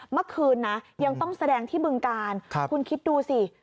เมื่อคืนนะยังต้องแสดงที่บึงกาลคุณคิดดูสิ